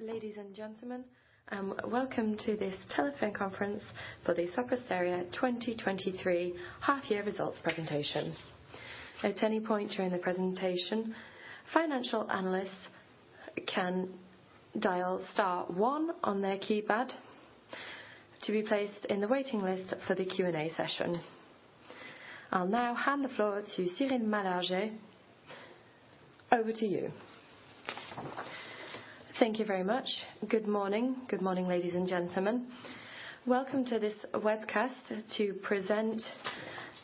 Ladies and gentlemen, welcome to this telephone conference for the Sopra Steria 2023 half year results presentation. At any point during the presentation, financial analysts can dial star one on their keypad to be placed in the waiting list for the Q&A session. I'll now hand the floor to Cyril Malargé. Over to you. Thank you very much. Good morning. Good morning, ladies and gentlemen. Welcome to this webcast to present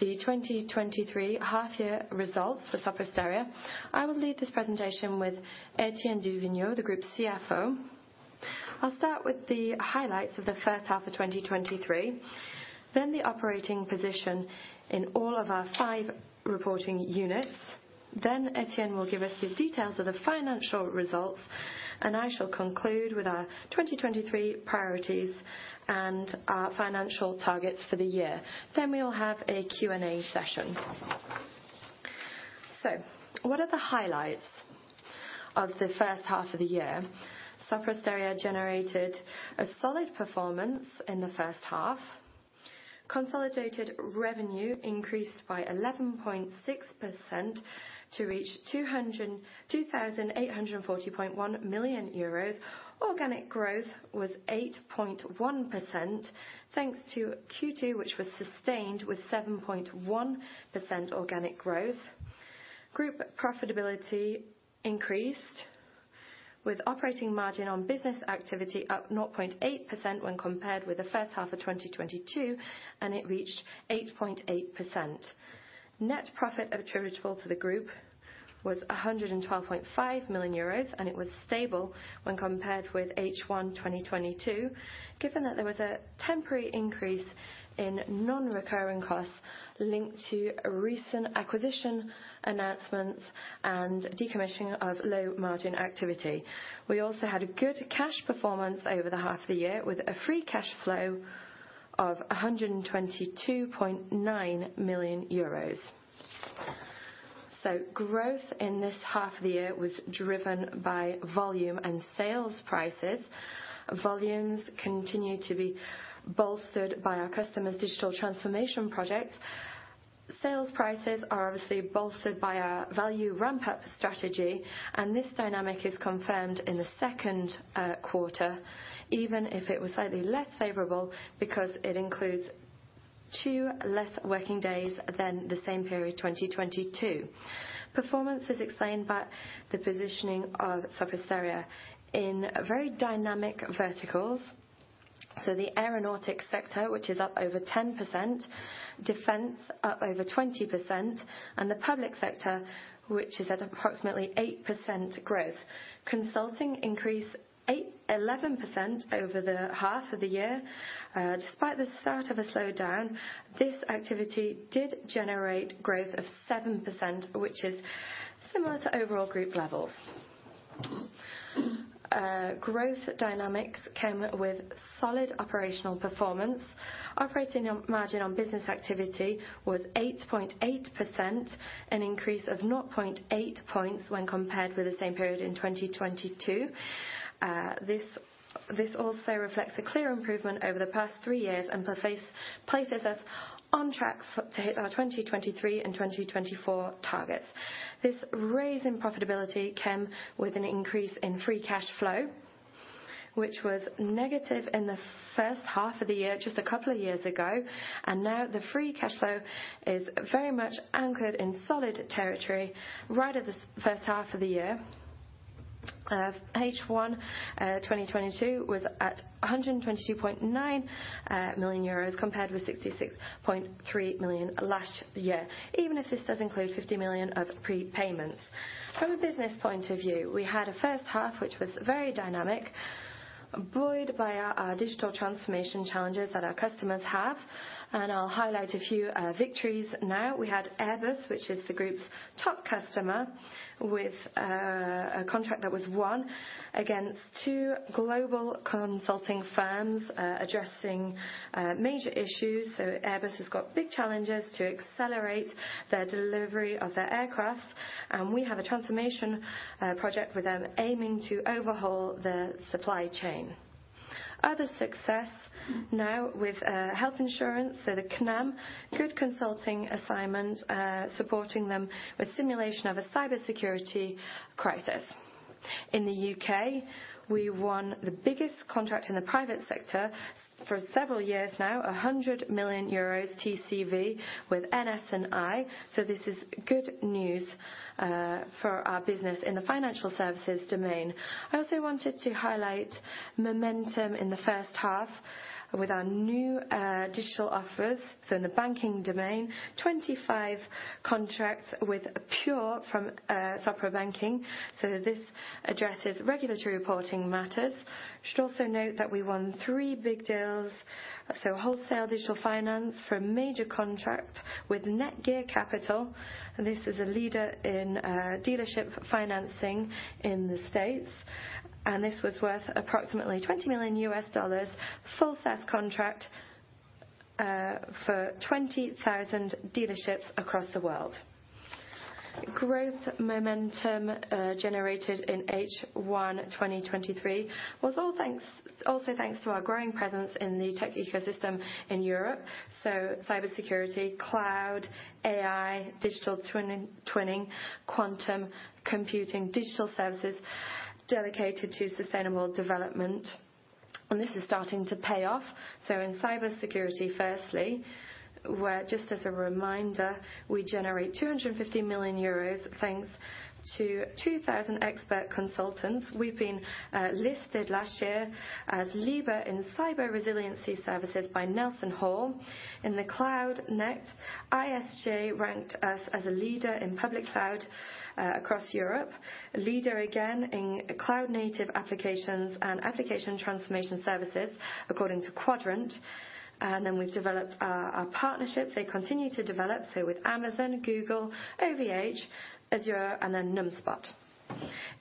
the 2023 half year results for Sopra Steria. I will lead this presentation with Etienne du Vignaux, the Group CFO. I'll start with the highlights of the first half of 2023, then the operating position in all of our 5 reporting units. Etienne will give us the details of the financial results, and I shall conclude with our 2023 priorities and our financial targets for the year. We will have a Q&A session. What are the highlights of the first half of the year? Sopra Steria generated a solid performance in the first half. Consolidated revenue increased by 11.6% to reach 2,840.1 million euros. Organic growth was 8.1%, thanks to Q2, which was sustained with 7.1% organic growth. Group profitability increased, with operating margin on business activity up 0.8% when compared with the first half of 2022, and it reached 8.8%. Net profit attributable to the group was 112.5 million euros, and it was stable when compared with H1 2022. Given that there was a temporary increase in non-recurring costs linked to recent acquisition announcements and decommissioning of low-margin activity. We also had a good cash performance over the half of the year, with a free cash flow of 122.9 million euros. Growth in this half of the year was driven by volume and sales prices. Volumes continue to be bolstered by our customers' digital transformation projects. Sales prices are obviously bolstered by our value ramp-up strategy, and this dynamic is confirmed in the second quarter, even if it was slightly less favorable, because it includes 2 less working days than the same period, 2022. Performance is explained by the positioning of Sopra Steria in very dynamic verticals. The aeronautics sector, which is up over 10%, defense up over 20%, and the public sector, which is at approximately 8% growth. Consulting increased 11% over the half of the year. Despite the start of a slowdown, this activity did generate growth of 7%, which is similar to overall group levels. Growth dynamics came with solid operational performance. Operating margin on business activity was 8.8%, an increase of 0.8 points when compared with the same period in 2022. This also reflects a clear improvement over the past three years and places us on track to hit our 2023 and 2024 targets. This raise in profitability came with an increase in free cash flow, which was negative in the first half of the year, just a couple of years ago, and now the free cash flow is very much anchored in solid territory, right at the first half of the year. H1 2022 was at 122.9 million euros, compared with 66.3 million last year, even if this does include 50 million of prepayments. From a business point of view, we had a first half, which was very dynamic, buoyed by our digital transformation challenges that our customers have, and I'll highlight a few victories now. We had Airbus, which is the group's top customer, with a contract that was won against two global consulting firms, addressing major issues. Airbus has got big challenges to accelerate the delivery of their aircraft, and we have a transformation project with them, aiming to overhaul the supply chain. Other success now with health insurance, the Cnam, good consulting assignment, supporting them with simulation of a cybersecurity crisis. In the UK, we won the biggest contract in the private sector for several years now, 100 million euros TCV with NS&I. This is good news for our business in the financial services domain. I also wanted to highlight momentum in the first half with our new digital offers. In the banking domain, 25 contracts with Pure from Sopra Banking. This addresses regulatory reporting matters. We should also note that we won 3 big deals, so wholesale digital finance for a major contract with NextGear Capital. This is a leader in dealership financing in the States, and this was worth approximately $20 million, full SaaS contract for 20,000 dealerships across the world. Growth momentum generated in H1, 2023 was also thanks to our growing presence in the tech ecosystem in Europe. Cybersecurity, cloud, AI, digital twinning, quantum computing, digital services dedicated to sustainable development, and this is starting to pay off. In cybersecurity, firstly, where just as a reminder, we generate 250 million euros, thanks to 2,000 expert consultants. We've been listed last year as leader in cyber resiliency services by NelsonHall. In the cloud, next, ISG ranked us as a leader in public cloud across Europe. A leader again in cloud native applications and application transformation services, according to Quadrant. We've developed our partnerships. They continue to develop, so with Amazon, Google, OVH, Azure, and then Numspot.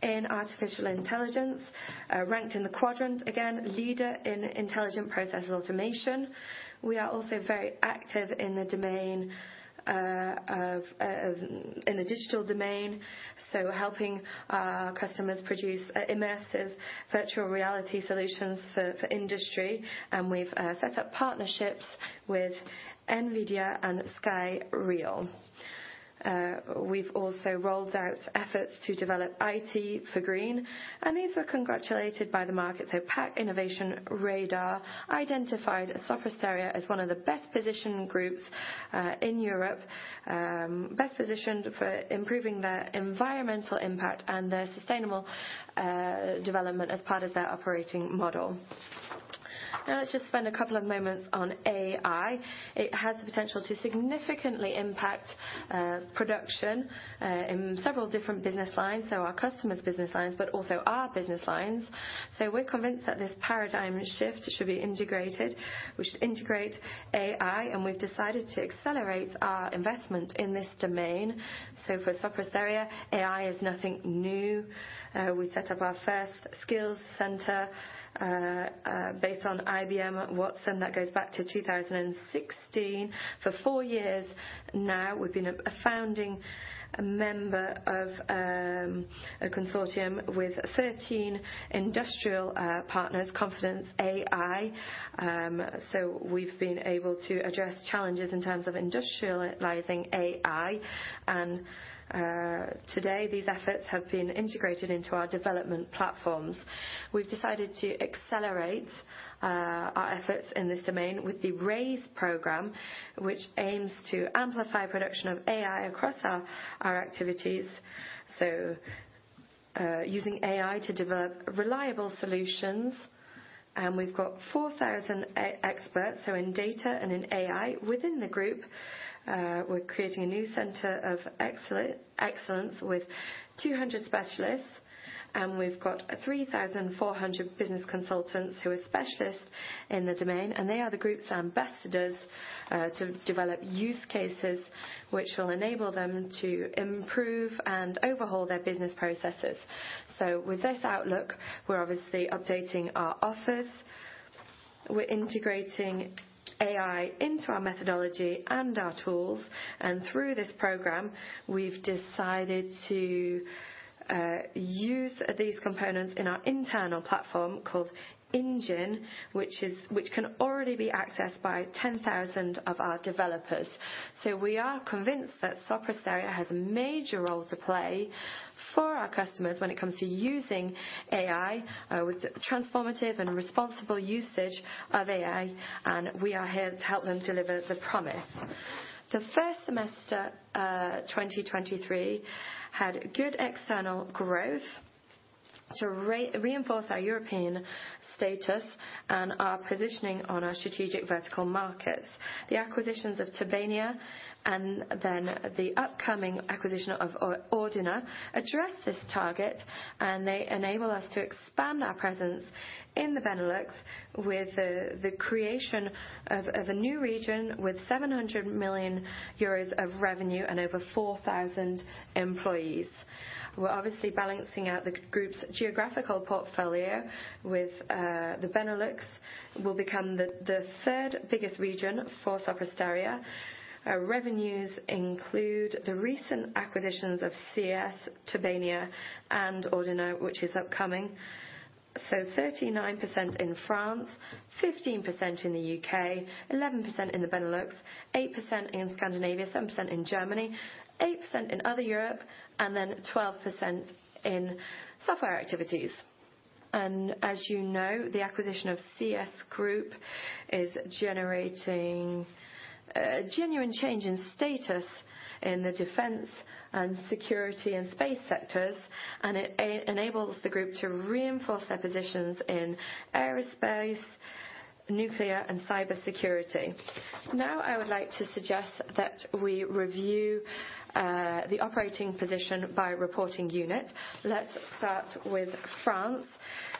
In artificial intelligence, ranked in the quadrant, again, leader in intelligent process automation. We are also very active in the domain of. In the digital domain, so helping our customers produce immersive virtual reality solutions for industry, and we've set up partnerships with NVIDIA and SkyReal. We've also rolled out efforts to develop IT for green, these were congratulated by the market. PAC INNOVATION RADAR identified Sopra Steria as one of the best-positioned groups in Europe, best positioned for improving their environmental impact and their sustainable development as part of their operating model. Now, let's just spend a couple of moments on AI. It has the potential to significantly impact production in several different business lines, so our customers' business lines, but also our business lines. We're convinced that this paradigm shift should be integrated. We should integrate AI. We've decided to accelerate our investment in this domain. For Sopra Steria, AI is nothing new. We set up our first skills center based on IBM Watson. That goes back to 2016. For 4 years now, we've been a founding member of a consortium with 13 industrial partners, Confiance.ai. We've been able to address challenges in terms of industrializing AI, today, these efforts have been integrated into our development platforms. We've decided to accelerate our efforts in this domain with the rAIse program, which aims to amplify production of AI across our activities, using AI to develop reliable solutions, and we've got 4,000 experts, in data and in AI within the group. We're creating a new center of excellence with 200 specialists, and we've got 3,400 business consultants who are specialists in the domain, and they are the group's ambassadors to develop use cases, which will enable them to improve and overhaul their business processes. With this outlook, we're obviously updating our office. We're integrating AI into our methodology and our tools. Through this program, we've decided to use these components in our internal platform called Engine, which can already be accessed by 10,000 of our developers. We are convinced that Sopra Steria has a major role to play for our customers when it comes to using AI with transformative and responsible usage of AI. We are here to help them deliver the promise. The first semester 2023 had good external growth to reinforce our European status and our positioning on our strategic vertical markets. The acquisitions of Tobania, and the upcoming acquisition of Ordina, address this target, and they enable us to expand our presence in the Benelux with the creation of a new region with 700 million euros of revenue and over 4,000 employees. We're obviously balancing out the group's geographical portfolio with the Benelux, will become the third biggest region for Sopra Steria. Our revenues include the recent acquisitions of CS, Tobania, and Ordina, which is upcoming 39% in France, 15% in the UK, 11% in the Benelux, 8% in Scandinavia, 7% in Germany, 8% in other Europe, and 12% in software activities. As you know, the acquisition of CS Group is generating a genuine change in status in the defense and security and space sectors, and it enables the group to reinforce their positions in aerospace, nuclear, and cybersecurity. Now, I would like to suggest that we review the operating position by reporting unit. Let's start with France.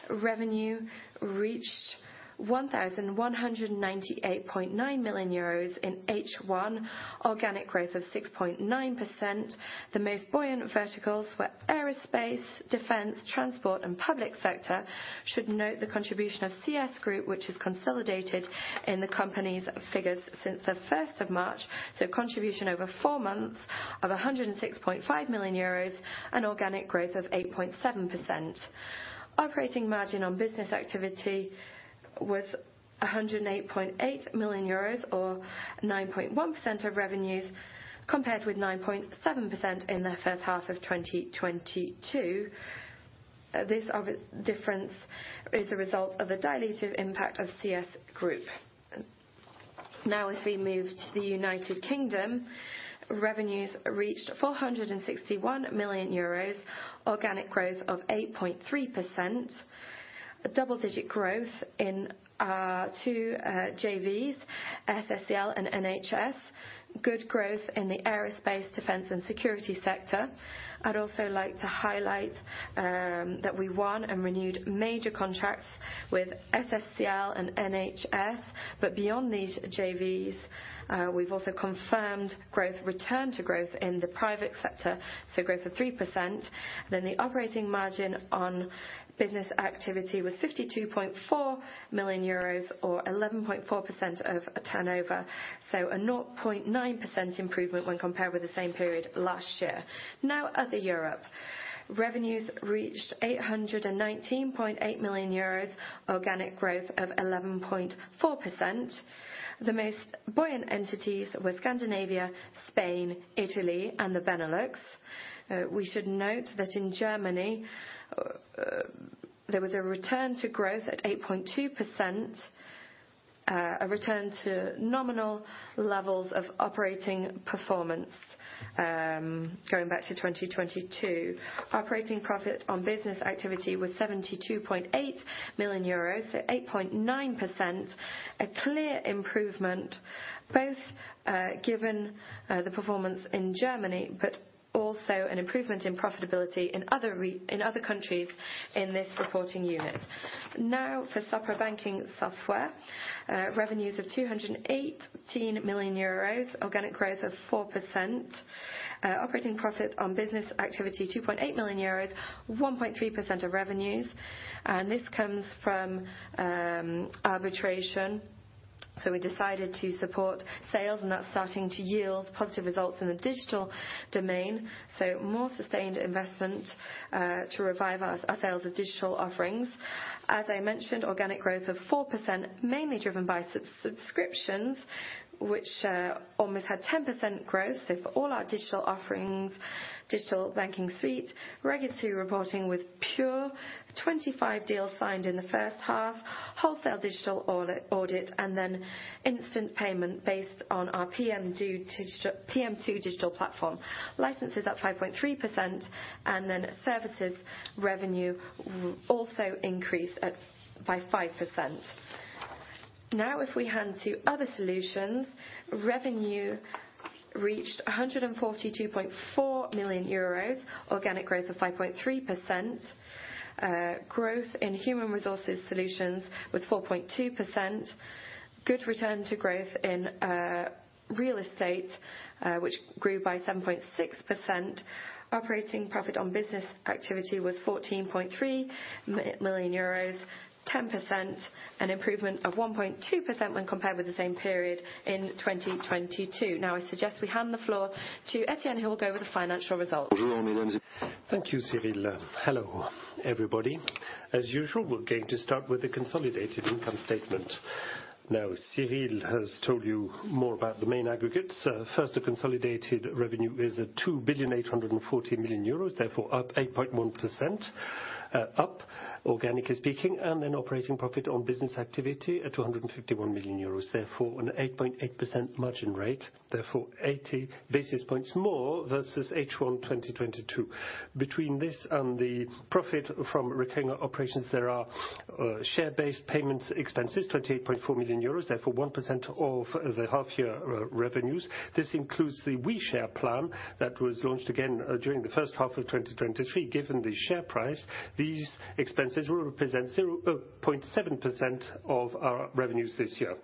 Revenue reached 1,198.9 million euros in H1, organic growth of 6.9%. The most buoyant verticals were aerospace, defense, transport, and public sector. Should note the contribution of CS Group, which is consolidated in the company's figures since the 1st of March, so contribution over four months of 106.5 million euros and organic growth of 8.7%. Operating margin on business activity was 108.8 million euros, or 9.1% of revenues, compared with 9.7% in the first half of 2022. This difference is a result of the dilutive impact of CS Group. As we move to the United Kingdom, revenues reached 461 million euros, organic growth of 8.3%. A double-digit growth in two JVs, SSCL and NHS. Good growth in the aerospace, defense, and security sector. I'd also like to highlight that we won and renewed major contracts with SSCL and NHS, beyond these JVs, we've also confirmed growth, return to growth in the private sector, growth of 3%. The operating margin on business activity was 52.4 million euros, or 11.4% of turnover, a 0.9% improvement when compared with the same period last year. Other Europe. Revenues reached 819.8 million euros, organic growth of 11.4%. The most buoyant entities were Scandinavia, Spain, Italy, and the Benelux. We should note that in Germany, there was a return to growth at 8.2%, a return to nominal levels of operating performance, going back to 2022. Operating profit on business activity was 72.8 million euros, 8.9%. A clear improvement, both given the performance in Germany, but also an improvement in profitability in other countries in this reporting unit. For Sopra Banking Software, revenues of 218 million euros, organic growth of 4%. Operating profit on business activity, 2.8 million euros, 1.3% of revenues, this comes from arbitration. We decided to support sales, that's starting to yield positive results in the digital domain, more sustained investment to revive our sales of digital offerings. As I mentioned, organic growth of 4%, mainly driven by subscriptions, which almost had 10% growth. For all our digital offerings, Digital Banking Suite, regulatory reporting with Pure, 25 deals signed in the first half, wholesale digital audit, and instant payment based on our PM2 digital platform. Licenses up 5.3%, services revenue also increased by 5%. If we hand to other solutions, revenue reached 142.4 million euros, organic growth of 5.3%. Growth in human resources solutions was 4.2%. Good return to growth in real estate, which grew by 7.6%. Operating profit on business activity was 14.3 million euros, 10%, an improvement of 1.2% when compared with the same period in 2022. I suggest we hand the floor to Etienne, who will go over the financial results. Thank you, Cyrille. Hello, everybody. As usual, we're going to start with the consolidated income statement. Cyrille has told you more about the main aggregates. First, the consolidated revenue is at 2.84 billion euros, therefore up 8.1%, organically speaking, operating profit on business activity at 251 million euros, therefore an 8.8% margin rate, therefore 80 basis points more versus H1 2022. Between this and the profit from recurring operations, there are share-based payments, expenses, 28.4 million euros, therefore 1% of the half year revenues. This includes the WeShare plan that was launched again during the first half of 2023. Given the share price, these expenses will represent 0.7% of our revenues this year.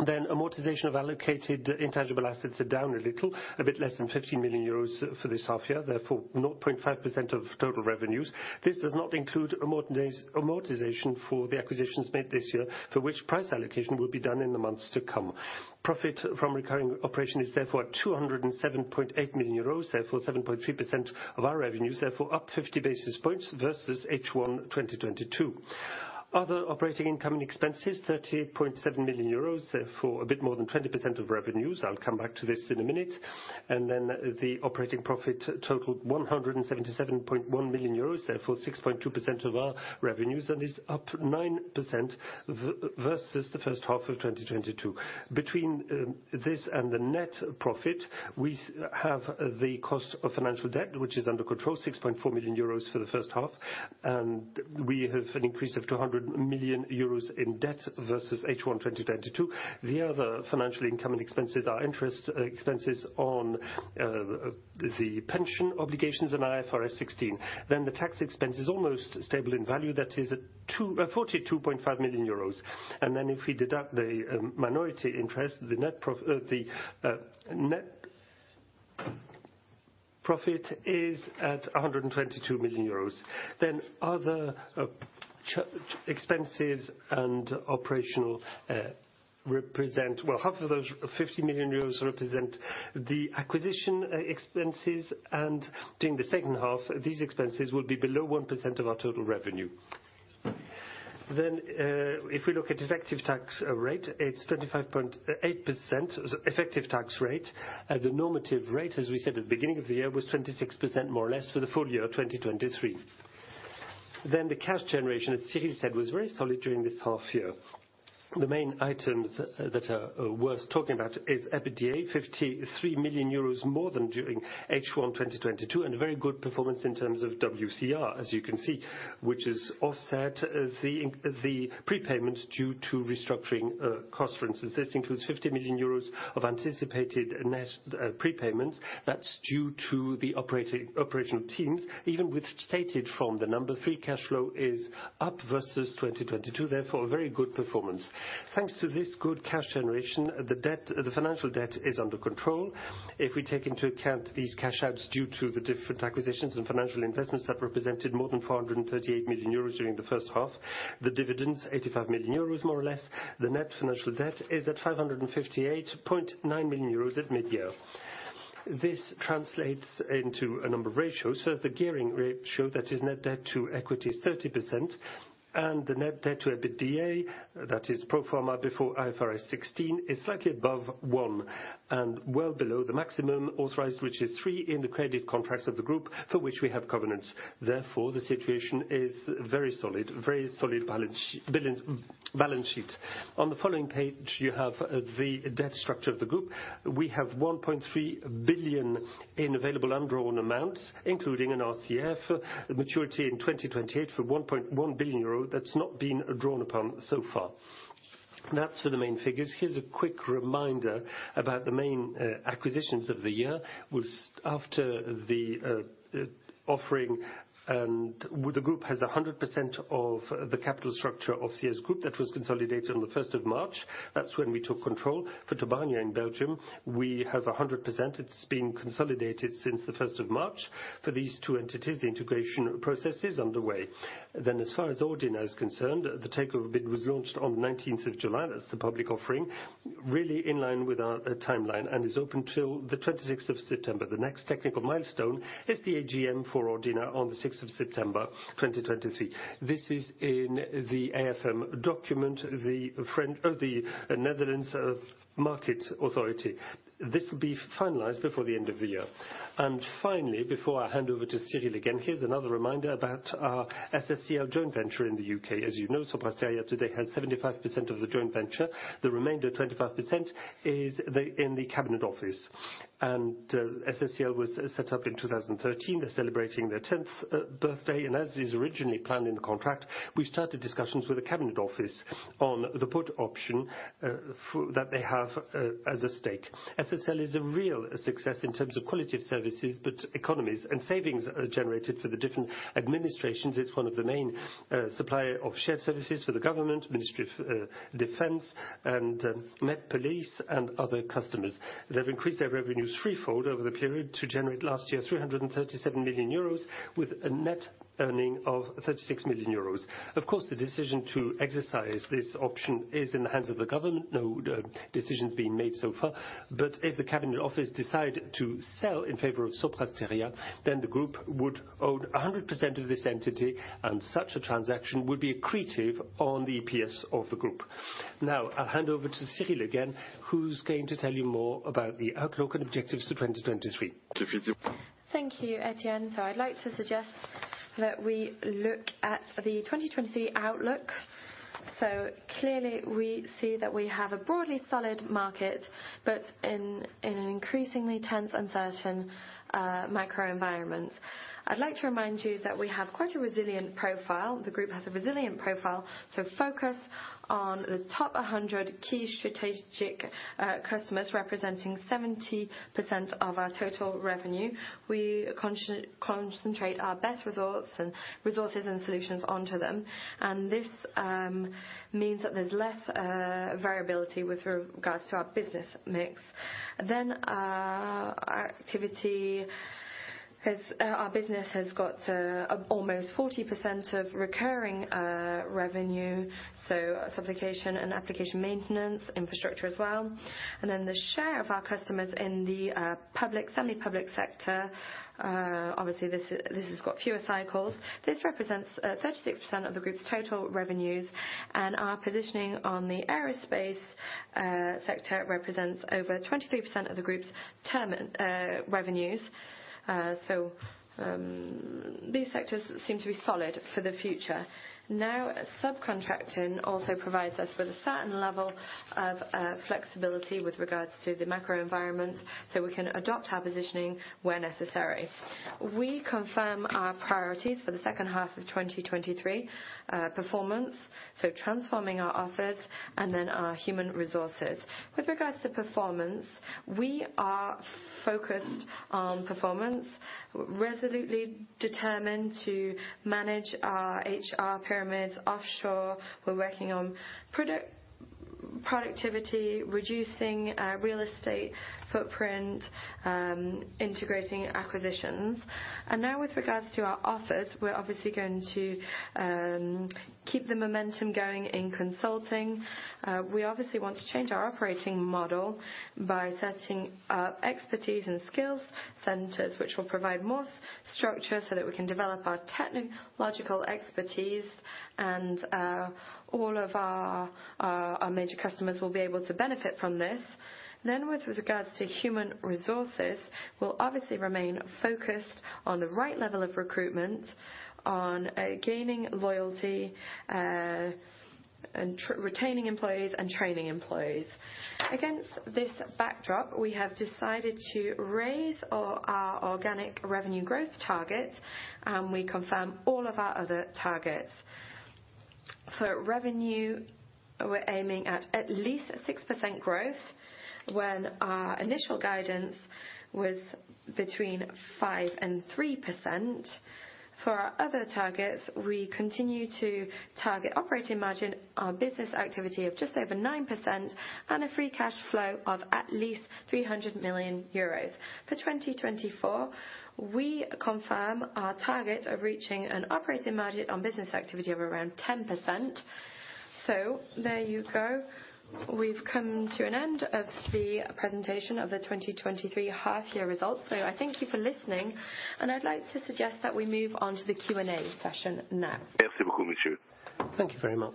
Amortization of allocated intangible assets are down a little, a bit less than 50 million euros for this half year, therefore 0.5% of total revenues. This does not include amortization for the acquisitions made this year, for which price allocation will be done in the months to come. Profit from recurring operation is therefore 207.8 million euros, therefore 7.3% of our revenues, therefore up 50 basis points versus H1 2022. Other operating income and expenses, 30.7 million euros, therefore a bit more than 20% of revenues. I'll come back to this in a minute. The operating profit totaled 177.1 million euros, therefore 6.2% of our revenues, and is up 9% versus the first half of 2022. Between this and the net profit. We have the cost of financial debt, which is under control, 6.4 million euros for the first half, we have an increase of 200 million euros in debt versus H1, 2022. The other financial income and expenses are interest expenses on the pension obligations and IFRS 16. The tax expense is almost stable in value, that is 42.5 million euros. If we deduct the minority interest, the net profit is at 122 million euros. Other expenses and operational represent well, half of those 50 million euros represent the acquisition expenses, during the second half, these expenses will be below 1% of our total revenue. If we look at effective tax rate, it's 25.8% effective tax rate. The normative rate, as we said at the beginning of the year, was 26%, more or less, for the full year of 2023. The cash generation, as Cyril said, was very solid during this half year. The main items that are worth talking about is EBITDA, 53 million euros more than during H1, 2022, and a very good performance in terms of WCR, as you can see, which is offset the prepayment due to restructuring costs, for instance. This includes 50 million euros of anticipated net prepayments. That's due to the operational teams. Even with stated from the number, free cash flow is up versus 2022, therefore, a very good performance. Thanks to this good cash generation, the financial debt is under control. If we take into account these cash outs, due to the different acquisitions and financial investments, that represented more than 438 million euros during the first half. The dividends, 85 million euros, more or less. The net financial debt is at 558.9 million euros at mid-year. This translates into a number of ratios. As the gearing ratio, that is net debt to equity, is 30%, and the net debt to EBITDA, that is pro forma before IFRS 16, is slightly above 1 and well below the maximum authorized, which is 3, in the credit contracts of the group for which we have covenants. The situation is very solid, very solid balance sheet. On the following page, you have the debt structure of the group. We have 1.3 billion in available undrawn amounts, including an RCF, maturity in 2028 for 1.1 billion euro. That's not been drawn upon so far. That's for the main figures. Here's a quick reminder about the main acquisitions of the year, was after the offering, and the group has 100% of the capital structure of CS Group that was consolidated on the 1st of March. That's when we took control. For Tobania in Belgium, we have 100%. It's been consolidated since the 1st of March. For these two entities, the integration process is underway. As far as Ordina is concerned, the takeover bid was launched on the 19th of July. That's the public offering, really in line with our timeline, and is open till the 26th of September. The next technical milestone is the AGM for Ordina on the 6th of September, 2023. This is in the AFM document, the Netherlands Market Authority. This will be finalized before the end of the year. Finally, before I hand over to Cyril again, here's another reminder about our SSCL joint venture in the UK. As you know, Sopra Steria today has 75% of the joint venture. The remainder, 25%, is in the Cabinet Office. SSCL was set up in 2013. They're celebrating their 10th birthday, and as is originally planned in the contract, we started discussions with the Cabinet Office on the put option that they have as a stake. SSL is a real success in terms of quality of services. Economies and savings are generated for the different administrations. It's one of the main supplier of shared services for the government, Ministry of Defense and Met Police and other customers. They've increased their revenues threefold over the period to generate last year, 337 million euros, with a net earning of 36 million euros. Of course, the decision to exercise this option is in the hands of the government. No decisions being made so far. If the Cabinet Office decide to sell in favor of Sopra Steria, the group would own 100% of this entity, and such a transaction would be accretive on the EPS of the group. I'll hand over to Cyril again, who's going to tell you more about the outlook and objectives of 2023. Thank you, Etienne. I'd like to suggest that we look at the 2020 outlook. Clearly, we see that we have a broadly solid market, but in an increasingly tense, uncertain microenvironment. I'd like to remind you that we have quite a resilient profile. The group has a resilient profile, focused on the top 100 key strategic customers, representing 70% of our total revenue. We concentrate our best results and resources and solutions onto them, and this means that there's less variability with regards to our business mix. Our activity has, our business has got almost 40% of recurring revenue, supplication and application maintenance, infrastructure as well. The share of our customers in the semi-public sector, obviously, this has got fewer cycles. This represents 36% of the group's total revenues, and our positioning on the aerospace sector represents over 23% of the group's term revenues. These sectors seem to be solid for the future. Now, subcontracting also provides us with a certain level of flexibility with regards to the macro environment, so we can adapt our positioning when necessary. We confirm our priorities for the second half of 2023, performance, so transforming our offers and then our human resources. With regards to performance, we are focused on performance, resolutely determined to manage our HR pyramids offshore. We're working on productivity, reducing real estate footprint, integrating acquisitions. Now with regards to our office, we're obviously going to keep the momentum going in consulting. We obviously want to change our operating model by setting up expertise and skills centers, which will provide more structure so that we can develop our technological expertise, and all of our major customers will be able to benefit from this. With regards to human resources, we'll obviously remain focused on the right level of recruitment, on gaining loyalty, and retaining employees and training employees. Against this backdrop, we have decided to raise all our organic revenue growth targets, and we confirm all of our other targets. For revenue, we're aiming at at least a 6% growth, when our initial guidance was between 5% and 3%. For our other targets, we continue to target operating margin, our business activity of just over 9%, and a free cash flow of at least 300 million euros. For 2024, we confirm our target of reaching an operating margin on business activity of around 10%. There you go. We've come to an end of the presentation of the 2023 half year results. I thank you for listening, and I'd like to suggest that we move on to the Q&A session now. Thank you very much.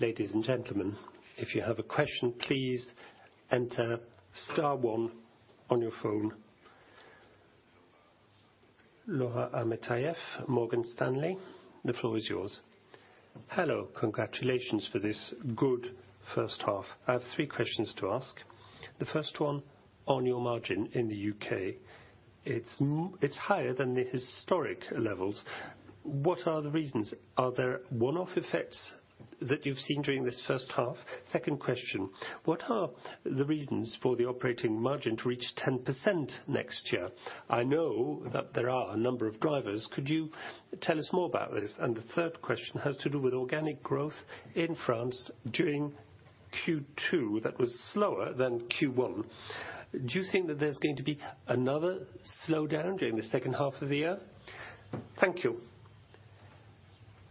Ladies and gentlemen, if you have a question, please enter star one on your phone. Laura Metayer, Morgan Stanley, the floor is yours. Hello. Congratulations for this good first half. I have three questions to ask. The first one, on your margin in the UK, it's higher than the historic levels. What are the reasons? Are there one-off effects that you've seen during this first half? Second question: What are the reasons for the operating margin to reach 10% next year? I know that there are a number of drivers. Could you tell us more about this? The third question has to do with organic growth in France during Q2, that was slower than Q1. Do you think that there's going to be another slowdown during the second half of the year? Thank you.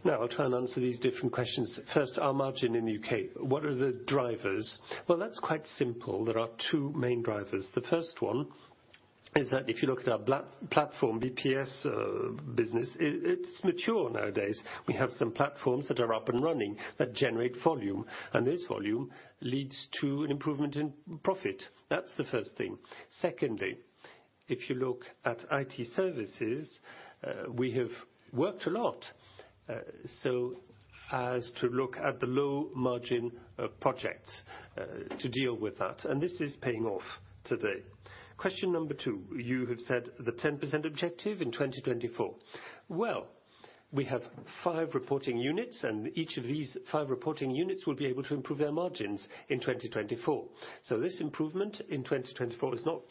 I'll try and answer these different questions. First, our margin in the UK, what are the drivers? Well, that's quite simple. There are two main drivers. The first one is that if you look at our platform, BPS business, it's mature nowadays. We have some platforms that are up and running, that generate volume, this volume leads to an improvement in profit. That's the first thing. Secondly, if you look at IT services, we have worked a lot so as to look at the low margin projects to deal with that, this is paying off today. Question number 2, you have said the 10% objective in 2024. Well, we have 5 reporting units, each of these 5 reporting units will be able to improve their margins in 2024. This improvement in 2024 is not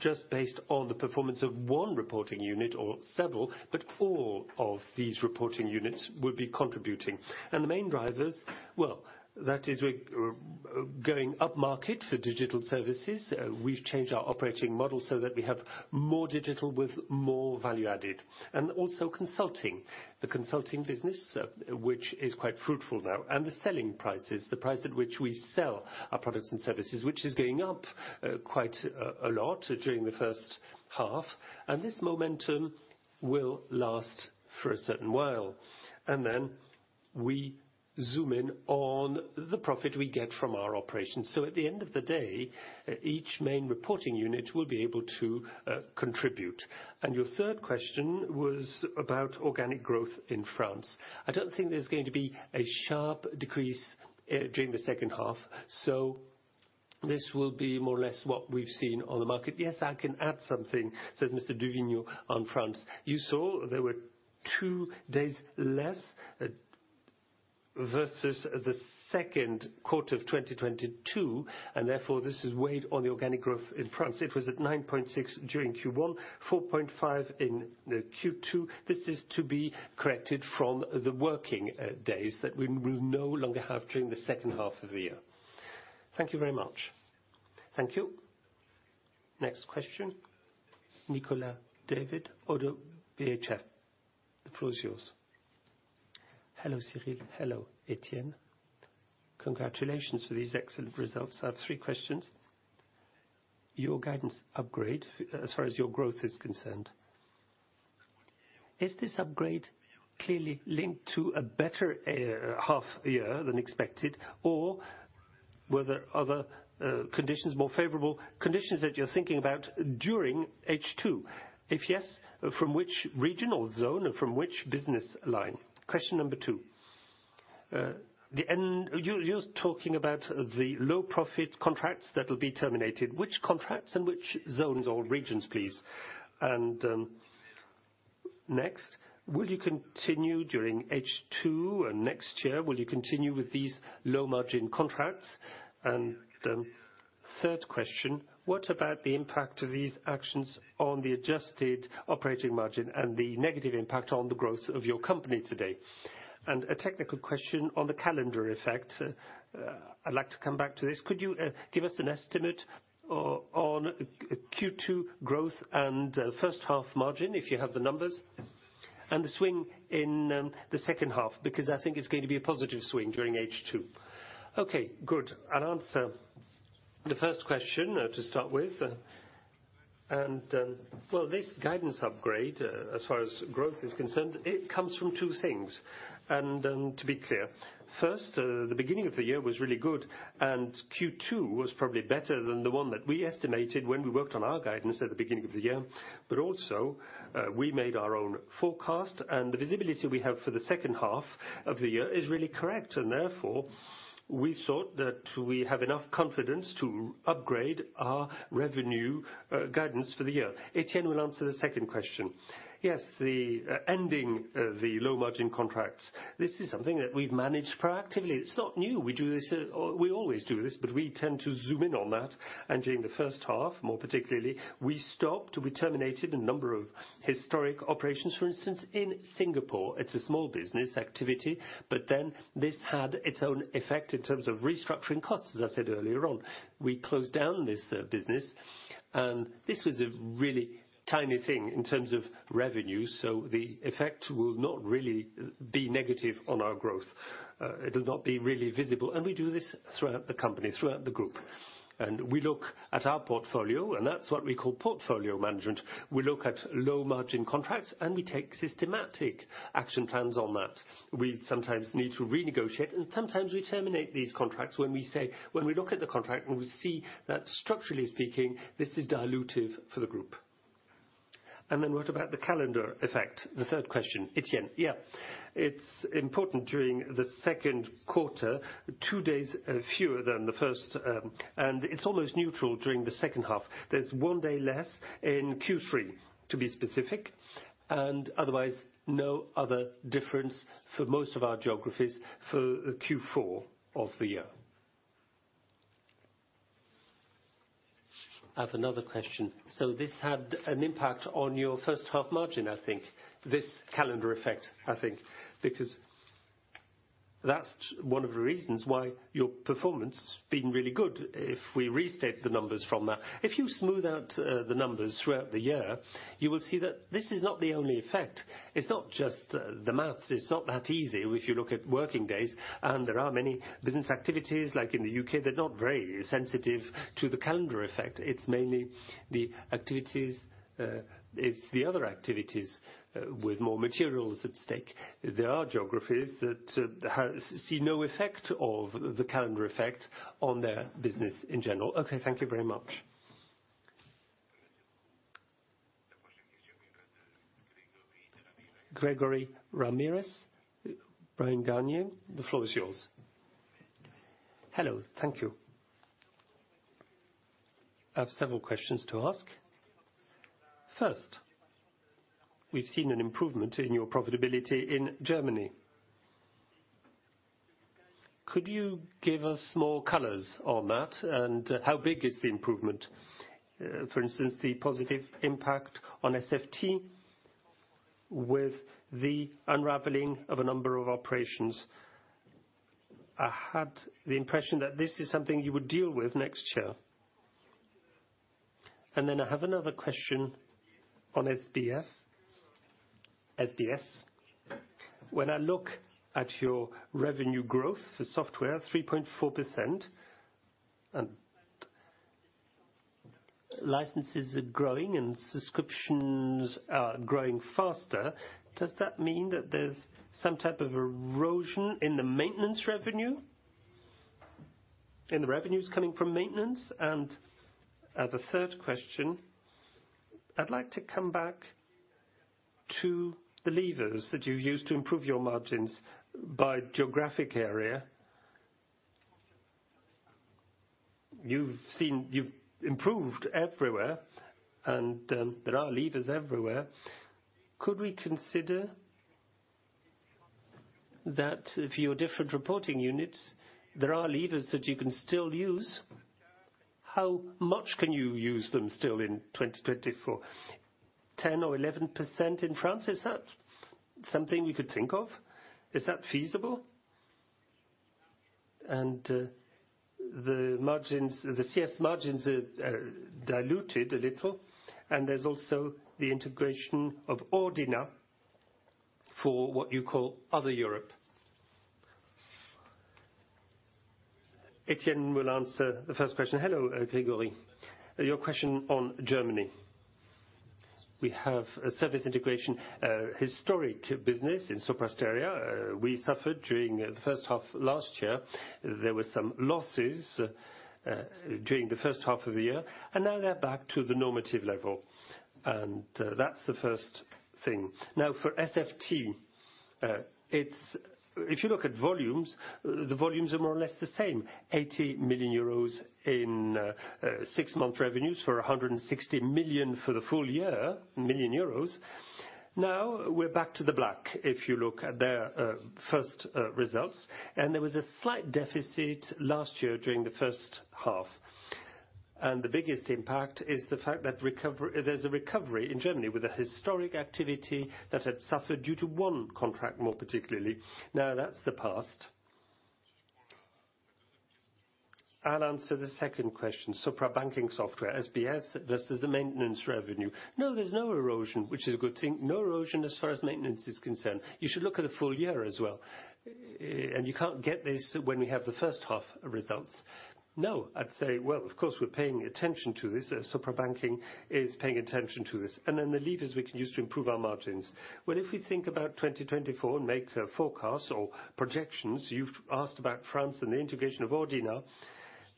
just based on the performance of one reporting unit or several, but all of these reporting units will be contributing. The main drivers, well, that is we're going upmarket for digital services. We've changed our operating model so that we have more digital with more value added, and also consulting. The consulting business, which is quite fruitful now, and the selling prices, the price at which we sell our products and services, which is going up quite a lot during the first half, and this momentum will last for a certain while. We zoom in on the profit we get from our operations. At the end of the day, each main reporting unit will be able to contribute. Your third question was about organic growth in France. I don't think there's going to be a sharp decrease during the second half, so this will be more or less what we've seen on the market. "Yes, I can add something," says Mr. Duvignaux, "on France. You saw there were 2 days less versus the second quarter of 2022, and therefore this is weighed on the organic growth in France. It was at 9.6% during Q1, 4.5% in the Q2. This is to be corrected from the working days that we will no longer have during the second half of the year. Thank you very much." Thank you. Next question, Nicolas David, ODDO BHF, the floor is yours. Hello, Cyril. Hello, Etienne. Congratulations for these excellent results. I have 3 questions. Your guidance upgrade, as far as your growth is concerned, is this upgrade clearly linked to a better half year than expected, or were there other conditions, more favorable conditions that you're thinking about during H2? If yes, from which regional zone and from which business line? Question number 2, You was talking about the low profit contracts that will be terminated. Which contracts and which zones or regions, please? Next, will you continue during H2 and next year, will you continue with these low margin contracts? Third question, what about the impact of these actions on the adjusted operating margin and the negative impact on the growth of your company today? A technical question on the calendar effect, I'd like to come back to this. Could you give us an estimate on Q2 growth and first half margin, if you have the numbers, and the swing in the second half? I think it's going to be a positive swing during H2. Okay, good. I'll answer the first question to start with. Well, this guidance upgrade, as far as growth is concerned, it comes from two things. To be clear, first, the beginning of the year was really good, and Q2 was probably better than the one that we estimated when we worked on our guidance at the beginning of the year. Also, we made our own forecast, and the visibility we have for the second half of the year is really correct. Therefore, we thought that we have enough confidence to upgrade our revenue guidance for the year. Etienne will answer the second question. The ending of the low-margin contracts, this is something that we've managed proactively. It's not new. We always do this, we tend to zoom in on that. During the first half, more particularly, we stopped, we terminated a number of historic operations. For instance, in Singapore, it's a small business activity, this had its own effect in terms of restructuring costs, as I said earlier on. We closed down this business, this was a really tiny thing in terms of revenue, the effect will not really be negative on our growth. It will not be really visible, we do this throughout the company, throughout the group. We look at our portfolio, that's what we call portfolio management. We look at low-margin contracts. We take systematic action plans on that. We sometimes need to renegotiate, and sometimes we terminate these contracts when we look at the contract and we see that, structurally speaking, this is dilutive for the group. What about the calendar effect? The third question, Etienne. Yeah. It's important during the second quarter, 2 days fewer than the first, and it's almost neutral during the second half. There's 1 day less in Q3, to be specific, and otherwise, no other difference for most of our geographies for Q4 of the year. I have another question. This had an impact on your first half margin, I think. This calendar effect, I think, because that's 1 of the reasons why your performance has been really good. If we restate the numbers from that, if you smooth out the numbers throughout the year, you will see that this is not the only effect. It's not just the math, it's not that easy if you look at working days, and there are many business activities, like in the UK, they're not very sensitive to the calendar effect. It's mainly the activities, it's the other activities, with more materials at stake. There are geographies that see no effect of the calendar effect on their business in general. Okay, thank you very much. The question is from Gregory Ramirez. Gregory Ramirez, Bryan Garnier, the floor is yours. Hello. Thank you. I have several questions to ask. First, we've seen an improvement in your profitability in Germany. Could you give us more colors on that, and how big is the improvement? For instance, the positive impact on SFT with the unraveling of a number of operations. I had the impression that this is something you would deal with next year. I have another question on SBS. When I look at your revenue growth for software, 3.4%, and licenses are growing and subscriptions are growing faster, does that mean that there's some type of erosion in the maintenance revenue, in the revenues coming from maintenance? The third question: I'd like to come back to the levers that you've used to improve your margins by geographic area. You've improved everywhere, there are levers everywhere. Could we consider that for your different reporting units, there are levers that you can still use? How much can you use them still in 2024? 10% or 11% in France, is that something you could think of? Is that feasible? The margins, the CS margins are diluted a little, and there's also the integration of Ordina for what you call Other Europe. Etienne will answer the first question. Hello, Gregory. Your question on Germany. We have a service integration, historic business in Sopra Steria. We suffered during the first half last year. There were some losses during the first half of the year, and now they're back to the normative level, and that's the first thing. Now for SFT, it's, if you look at volumes, the volumes are more or less the same, 80 million euros in six-month revenues for 160 million for the full year. We're back to the black, if you look at their first results, and there was a slight deficit last year during the first half. The biggest impact is the fact that there's a recovery in Germany with a historic activity that had suffered due to one contract, more particularly. That's the past. I'll answer the second question. Sopra Banking Software, SBS versus the maintenance revenue. No, there's no erosion, which is a good thing. No erosion as far as maintenance is concerned. You should look at the full year as well, and you can't get this when we have the first half results. No, I'd say, well, of course, we're paying attention to this, Sopra Banking is paying attention to this, and then the levers we can use to improve our margins. Well, if we think about 2024 and make the forecast or projections, you've asked about France and the integration of Ordina.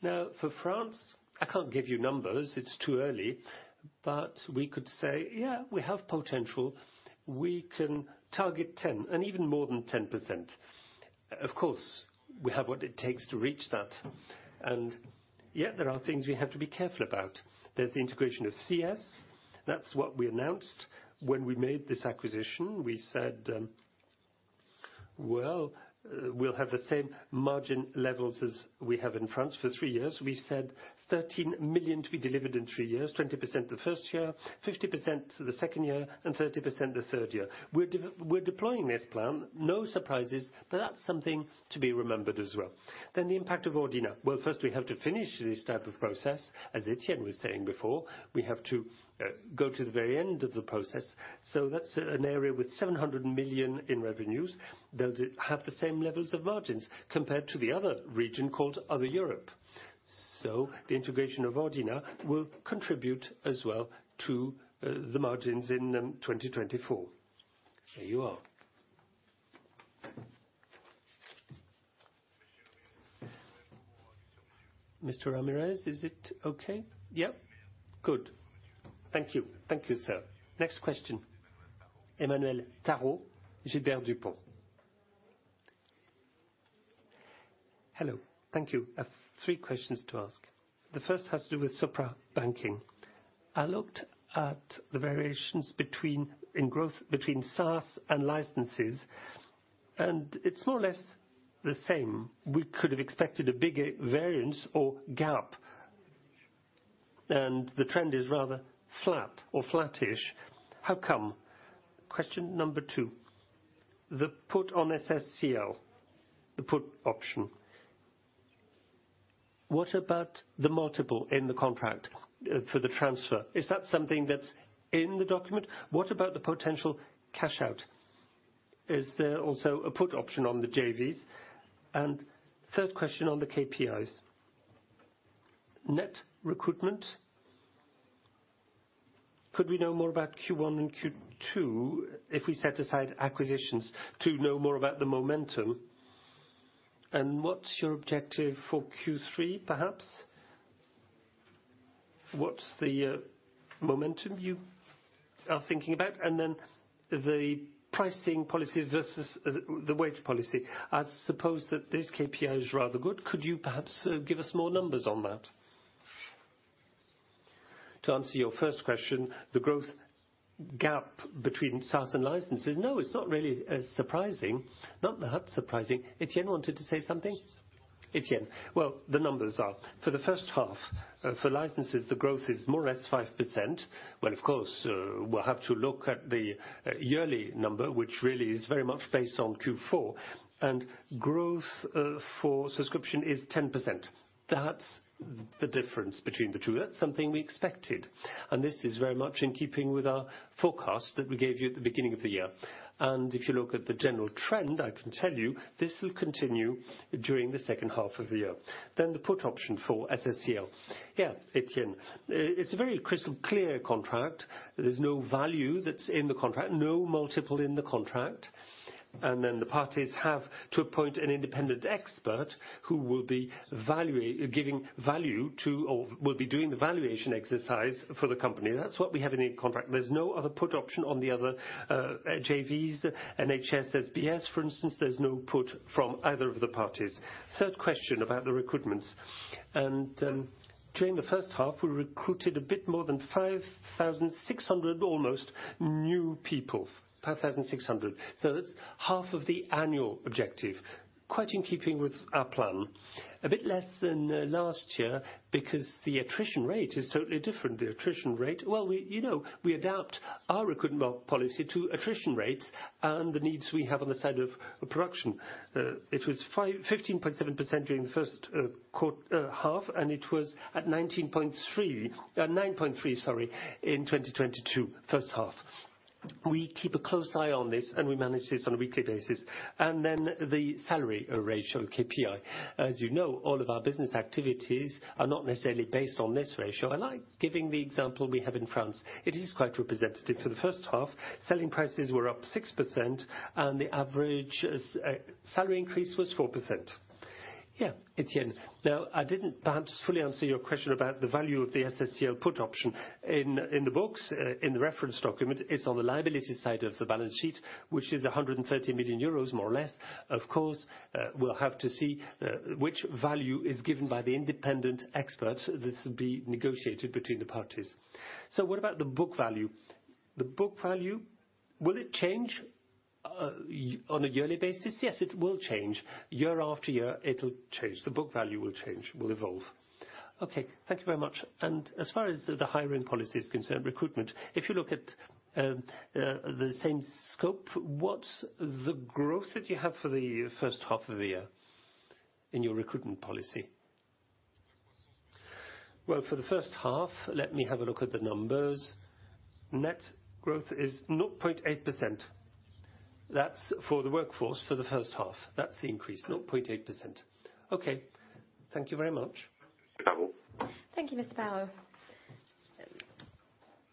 Now, for France, I can't give you numbers, it's too early, but we could say, yeah, we have potential. We can target 10 and even more than 10%. Of course, we have what it takes to reach that. Yet there are things we have to be careful about. There's the integration of CS. That's what we announced. When we made this acquisition, we said, well, we'll have the same margin levels as we have in France for 3 years. We've said 13 million to be delivered in 3 years, 20% the 1st year, 50% the 2nd year, and 30% the 3rd year. We're deploying this plan. That's something to be remembered as well. The impact of Ordina. Well, first, we have to finish this type of process, as Etienne was saying before, we have to go to the very end of the process. That's an area with 700 million in revenues. They'll have the same levels of margins compared to the other region called Other Europe. The integration of Ordina will contribute as well to the margins in 2024. There you are. Mr. Ramirez, is it okay? Yeah. Good. Thank you. Thank you, sir. Next question, Emmanuel Parot, Gilbert Dupont. Hello. Thank you. I've 3 questions to ask. The first has to do with Sopra Banking. I looked at the variations in growth between SaaS and licenses, and it's more or less the same. We could have expected a bigger variance or gap, and the trend is rather flat or flattish. How come? Question number two, the put on SSCL, the put option. What about the multiple in the contract for the transfer? Is that something that's in the document? What about the potential cash out? Is there also a put option on the JVs? Third question on the KPIs. Net recruitment, could we know more about Q1 and Q2 if we set aside acquisitions to know more about the momentum? What's your objective for Q3, perhaps? What's the momentum you are thinking about? The pricing policy versus the wage policy. I suppose that this KPI is rather good. Could you perhaps give us more numbers on that? To answer your first question, the growth gap between SaaS and licenses. No, it's not really surprising. Not that surprising. Etienne wanted to say something? Sure, Etienne. Well, the numbers are: for the first half, for licenses, the growth is more or less 5%. Well, of course, we'll have to look at the yearly number, which really is very much based on Q4, and growth for subscription is 10%. That's the difference between the two. That's something we expected, and this is very much in keeping with our forecast that we gave you at the beginning of the year. The put option for SSCL. Yeah, Etienne. It's a very crystal clear contract. There's no value that's in the contract, no multiple in the contract, and then the parties have to appoint an independent expert who will be giving value to or will be doing the valuation exercise for the company. That's what we have in the contract. There's no other put option on the other JVs, NHS, SBS, for instance, there's no put from either of the parties. Third question about the recruitments. During the first half, we recruited a bit more than 5,600, almost, new people. 5,600. That's half of the annual objective, quite in keeping with our plan. A bit less than last year, because the attrition rate is totally different. The attrition rate... Well, we, you know, we adapt our recruitment policy to attrition rates and the needs we have on the side of production. It was 15.7% during the first half, and it was at 19.3, 9.3%, sorry, in 2022, first half. We keep a close eye on this, and we manage this on a weekly basis. The salary ratio, KPI. As you know, all of our business activities are not necessarily based on this ratio. I like giving the example we have in France. It is quite representative. For the first half, selling prices were up 6%, and the average salary increase was 4%. Yeah, Etienne. I didn't perhaps fully answer your question about the value of the SSCL put option. In the books, in the reference document, it's on the liability side of the balance sheet, which is 130 million euros, more or less. Of course, we'll have to see which value is given by the independent expert that's be negotiated between the parties. What about the book value? The book value, will it change? On a yearly basis, yes, it will change. Year after year, it'll change. The book value will change, will evolve. Okay, thank you very much. As far as the hiring policy is concerned, recruitment, if you look at the same scope, what's the growth that you have for the first half of the year in your recruitment policy? Well, for the first half, let me have a look at the numbers. Net growth is 0.8%. That's for the workforce for the first half. That's the increase, 0.8%. Okay, thank you very much. Thank you, Mr. Parot.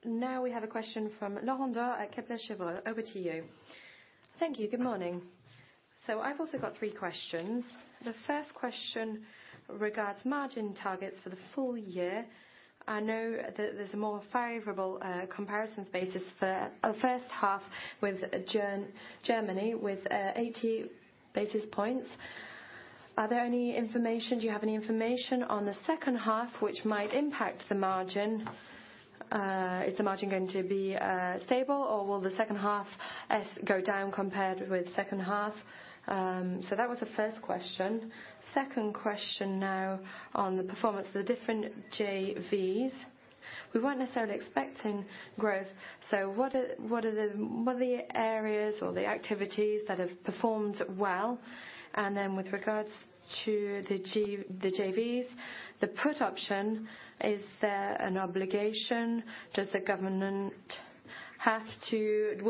We have a question from Laurent Daure at Kepler Cheuvreux. Over to you. Thank you. Good morning. I've also got three questions. The first question regards margin targets for the full year. I know that there's a more favorable comparison basis for a first half with Germany, with 80 basis points. Do you have any information on the second half which might impact the margin? Is the margin going to be stable or will the second half go down compared with second half? That was the first question. Second question now on the performance of the different JVs. We weren't necessarily expecting growth, what are the areas or the activities that have performed well? With regards to the JVs, the put option, is there an obligation? Will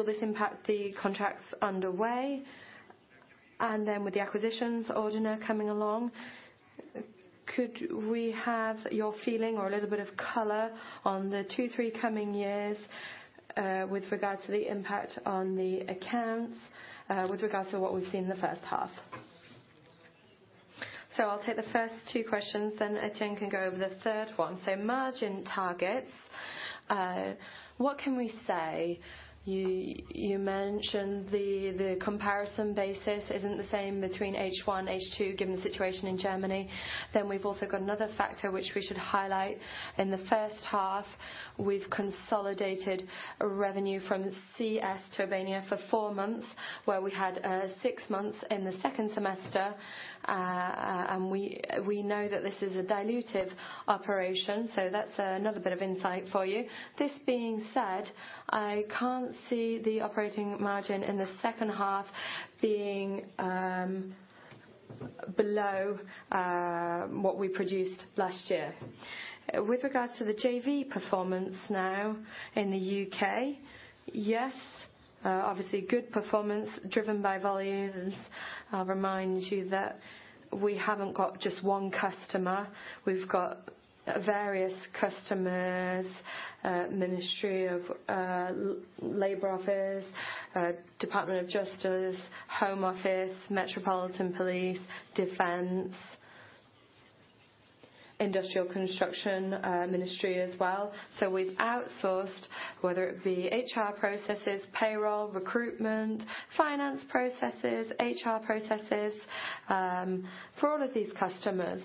this impact the contracts underway? With the acquisitions, Ordina coming along, could we have your feeling or a little bit of color on the 2, 3 coming years, with regards to the impact on the accounts, with regards to what we've seen in the first half? I'll take the first 2 questions, then Etienne can go over the 3rd one. Margin targets, what can we say? You mentioned the comparison basis isn't the same between H1, H2, given the situation in Germany. We've also got another factor which we should highlight. In the first half, we've consolidated revenue from CS to Tobania for 4 months, where we had 6 months in the second semester. We know that this is a dilutive operation, that's another bit of insight for you. This being said, I can't see the operating margin in the second half being below what we produced last year. With regards to the JV performance now in the UK, yes, obviously good performance driven by volumes. I'll remind you that we haven't got just one customer. We've got various customers, Ministry of Labor Office, Ministry of Justice, Home Office, Metropolitan Police, Defense, Industrial Construction, Ministry as well. We've outsourced, whether it be HR processes, payroll, recruitment, finance processes, HR processes, for all of these customers.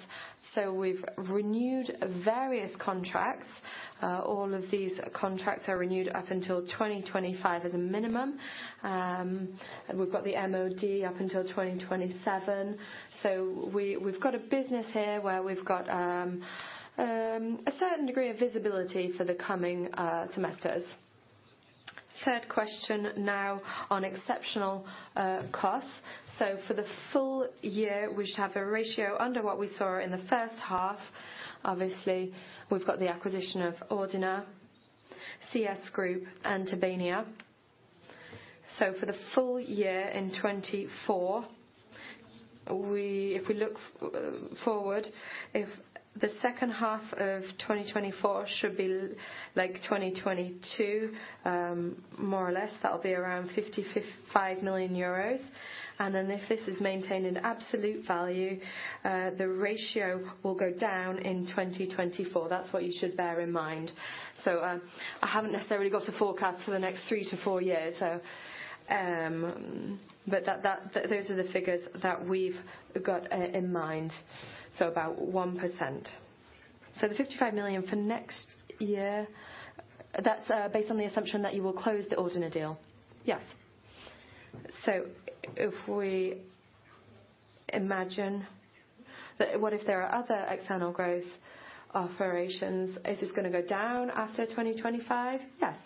We've renewed various contracts. All of these contracts are renewed up until 2025 as a minimum. We've got the MOD up until 2027. We've got a business here where we've got a certain degree of visibility for the coming semesters. Third question now on exceptional costs. For the full year, we should have a ratio under what we saw in the first half. Obviously, we've got the acquisition of Ordina, CS Group, and Tobania. For the full year in 2024, if we look forward, if the second half of 2024 should be like 2022, more or less, that'll be around 55 million euros. If this is maintained in absolute value, the ratio will go down in 2024. That's what you should bear in mind. I haven't necessarily got a forecast for the next 3 to 4 years, but those are the figures that we've got in mind, about 1%. The 55 million for next year, that's based on the assumption that you will close the Ordina deal? Yes. If we imagine that what if there are other external growth operations, is this gonna go down after 2025? Yes.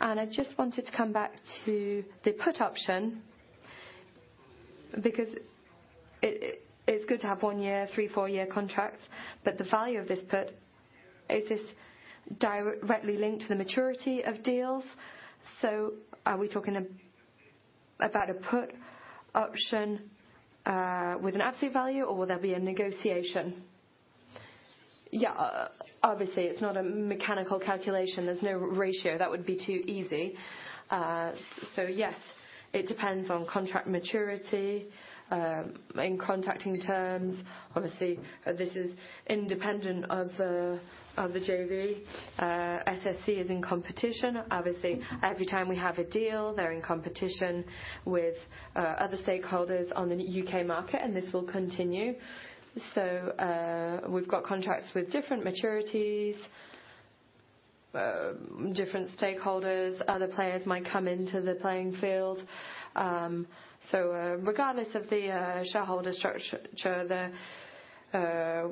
I just wanted to come back to the put option, because it's good to have 1-year, 3, 4-year contracts, but the value of this put, is this directly linked to the maturity of deals? Are we talking about a put option with an absolute value, or will there be a negotiation? Yeah, obviously, it's not a mechanical calculation. There's no ratio. That would be too easy. Yes, it depends on contract maturity in contracting terms. Obviously, this is independent of the JV. SSCL is in competition. Obviously, every time we have a deal, they're in competition with other stakeholders on the UK market, and this will continue. We've got contracts with different maturities, different stakeholders, other players might come into the playing field. Regardless of the shareholder structure,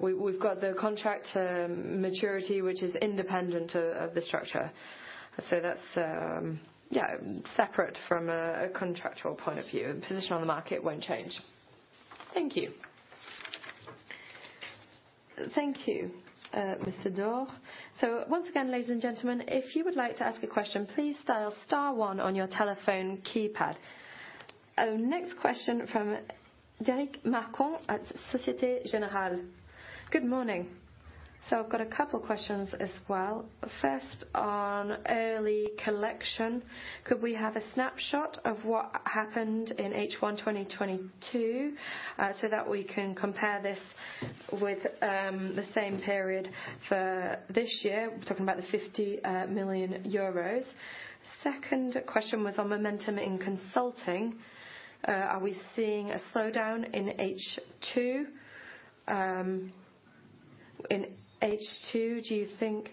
we've got the contract maturity, which is independent of the structure. That's separate from a contractual point of view, and position on the market won't change. Thank you. Thank you, Mr. Daure. Once again, ladies and gentlemen, if you would like to ask a question, please dial star one on your telephone keypad. Our next question from Derric Marcon at Societe Generale. Good morning. I've got a couple questions as well. First, on early collection, could we have a snapshot of what happened in H1 2022 so that we can compare this with the same period for this year? We're talking about the 50 million euros. Second question was on momentum in consulting. Are we seeing a slowdown in H2? In H2, do you think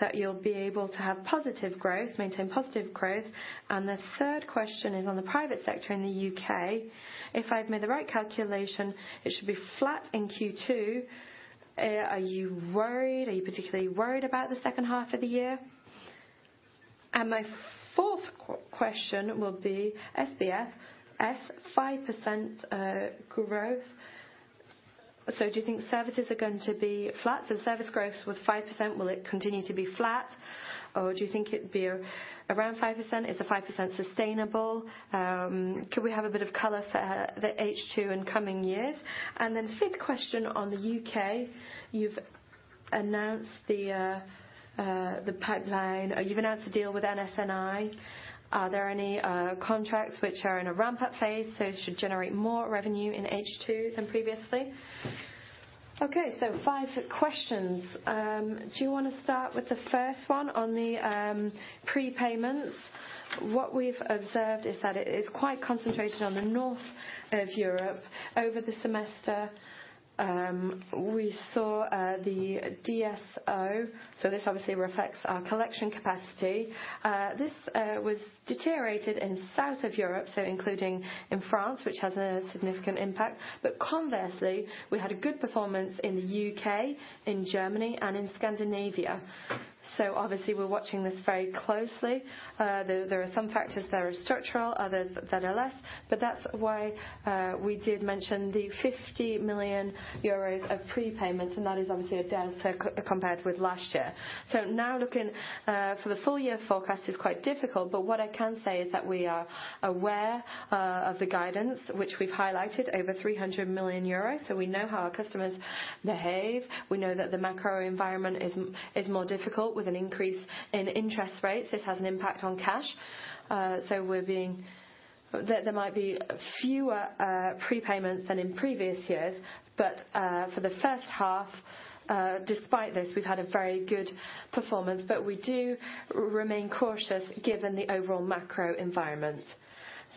that you'll be able to have positive growth, maintain positive growth? The third question is on the private sector in the UK. If I've made the right calculation, it should be flat in Q2. Are you worried? Are you particularly worried about the second half of the year? My fourth question will be SBS. At 5% growth, so do you think services are going to be flat? Service growth with 5%, will it continue to be flat, or do you think it will be around 5%? Is the 5% sustainable? Could we have a bit of color for the H2 in coming years? Fifth question on the UK, you've announced the pipeline. You've announced a deal with NS&I. Are there any contracts which are in a ramp-up phase, so it should generate more revenue in H2 than previously? 5 questions. Do you want to start with the first one on the prepayments? What we've observed is that it is quite concentrated on the north of Europe. Over the semester, we saw the DSO, so this obviously reflects our collection capacity. This was deteriorated in south of Europe, so including in France, which has a significant impact. Conversely, we had a good performance in the UK, in Germany, and in Scandinavia. Obviously, we're watching this very closely. There are some factors that are structural, others that are less, but that's why we did mention the 50 million euros of prepayments, and that is obviously a delta compared with last year. Now looking for the full year forecast is quite difficult, but what I can say is that we are aware of the guidance, which we've highlighted over 300 million euros. We know how our customers behave. We know that the macro environment is more difficult with an increase in interest rates. This has an impact on cash. We're being... That there might be fewer prepayments than in previous years, but for the first half, despite this, we've had a very good performance. We do remain cautious given the overall macro environment.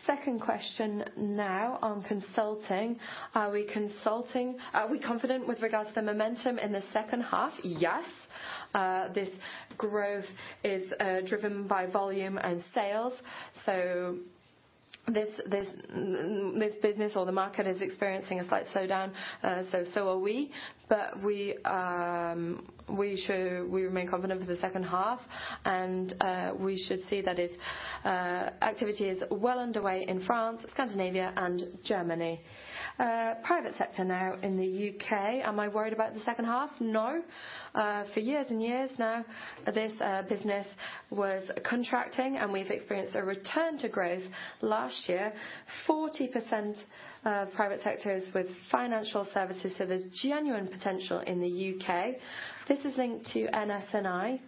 Second question now on consulting. Are we consulting, are we confident with regards to the momentum in the second half? Yes. This growth is driven by volume and sales, so this business or the market is experiencing a slight slowdown, so are we. We remain confident for the second half, and we should see that its activity is well underway in France, Scandinavia, and Germany. Private sector now in the UK. Am I worried about the second half? No. For years and years now, this business was contracting, and we've experienced a return to growth last year, 40%, private sectors with financial services, so there's genuine potential in the UK. This is linked to NS&I.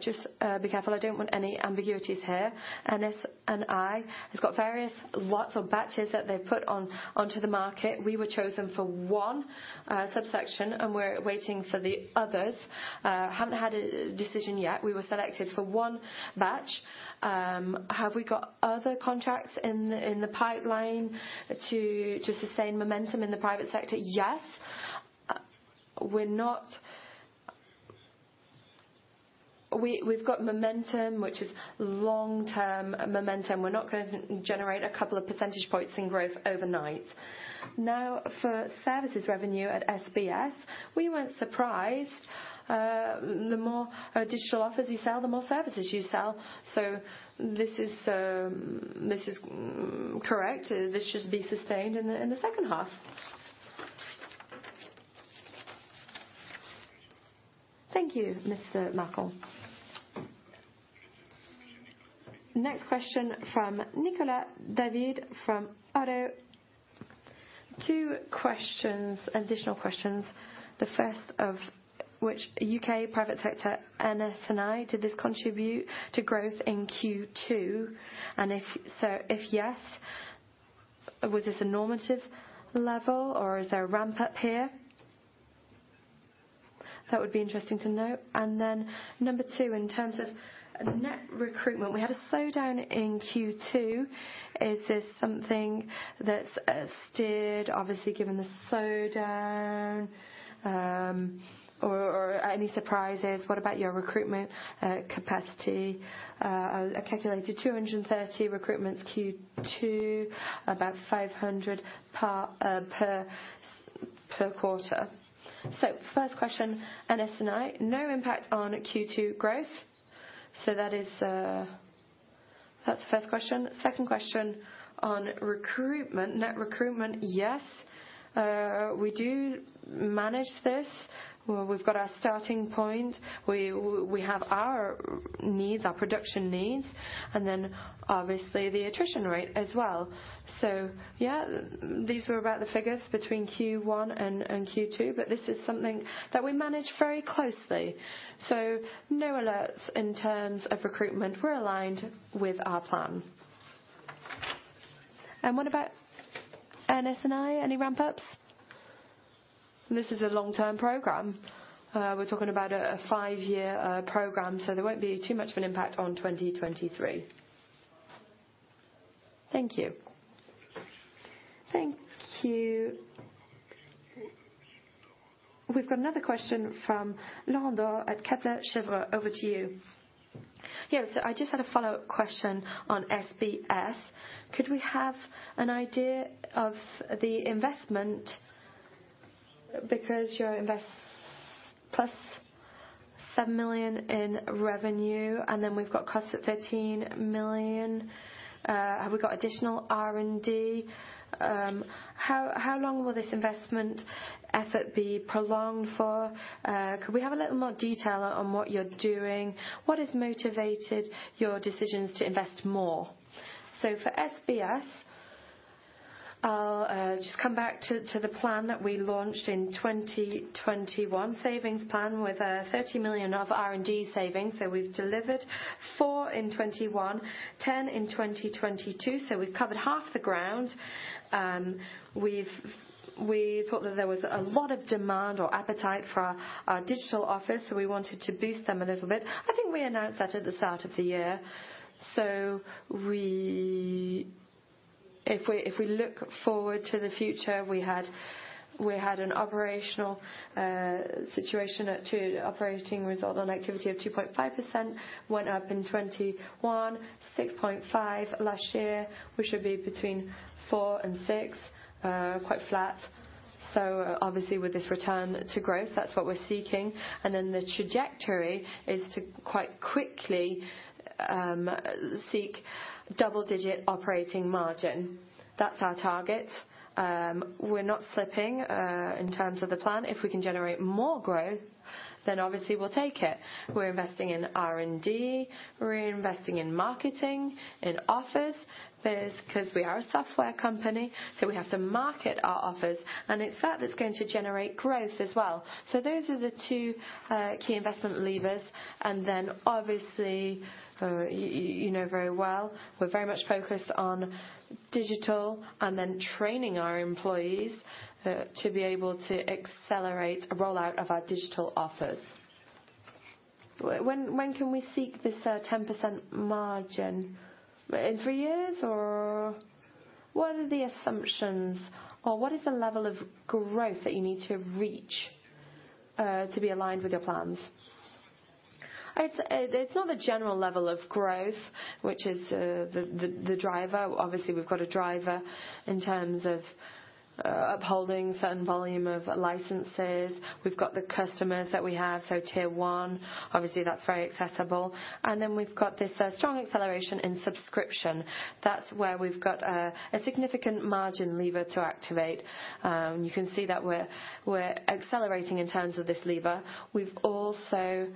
Just be careful, I don't want any ambiguities here. NS&I has got various lots or batches that they put on, onto the market. We were chosen for 1 subsection, and we're waiting for the others. Haven't had a decision yet. We were selected for 1 batch. Have we got other contracts in the pipeline to sustain momentum in the private sector? Yes. We've got momentum, which is long-term momentum. We're not going to generate a couple of percentage points in growth overnight. Now, for services revenue at SBS, we weren't surprised. The more digital offers you sell, the more services you sell. This is correct. This should be sustained in the second half. Thank you, Mr. Malargue. Next question from Nicolas David from Oddo BHF. 2 additional questions. The first of which, UK private sector, NS&I, did this contribute to growth in Q2? If yes, was this a normative level or is there a ramp up here? That would be interesting to note. Number 2, in terms of net recruitment, we had a slowdown in Q2. Is this something that's steered, obviously, given the slowdown? Are any surprises? What about your recruitment capacity? I calculated 230 recruitments Q2, about 500 per quarter. First question, NS&I, no impact on Q2 growth. That is, that's the first question. Second question on recruitment, net recruitment. Yes, we do manage this. We've got our starting point, we have our needs, our production needs, and then obviously the attrition rate as well. Yeah, these were about the figures between Q1 and Q2, but this is something that we manage very closely. No alerts in terms of recruitment. We're aligned with our plan. What about NS&I? Any ramp-ups? This is a long-term program. We're talking about a 5-year program, so there won't be too much of an impact on 2023. Thank you. Thank you. We've got another question from Laura at Kepler Cheuvreux. Over to you. Yeah. I just had a follow-up question on SBS. Could we have an idea of the investment? You're invest plus 7 million in revenue, we've got costs at 13 million. Have we got additional R&D? How long will this investment effort be prolonged for? Could we have a little more detail on what you're doing? What has motivated your decisions to invest more? For SBS, I'll just come back to the plan that we launched in 2021. Savings plan with 30 million of R&D savings. We've delivered 4 million in 2021, 10 million in 2022, we've covered half the ground. We thought that there was a lot of demand or appetite for our digital office, we wanted to boost them a little bit. I think we announced that at the start of the year. If we look forward to the future, we had an operational situation operating result on activity of 2.5%, went up in 2021, 6.5% last year. We should be between 4% and 6%, quite flat. Obviously with this return to growth, that's what we're seeking. The trajectory is to quite quickly seek double-digit operating margin. That's our target. We're not slipping in terms of the plan. If we can generate more growth, then obviously we'll take it. We're investing in R&D, we're investing in marketing, in office, because we are a software company, so we have to market our office, and it's that that's going to generate growth as well. Those are the 2 key investment levers. Obviously, you know very well, we're very much focused on digital and then training our employees to be able to accelerate a rollout of our digital office. When can we seek this 10% margin? In 3 years, or what are the assumptions, or what is the level of growth that you need to reach to be aligned with your plans? It's not the general level of growth, which is the driver. Obviously, we've got a driver in terms of upholding certain volume of licenses. We've got the customers that we have, so tier 1. Obviously, that's very accessible. We've got this strong acceleration in subscription. That's where we've got a significant margin lever to activate. You can see that we're accelerating in terms of this lever. We've also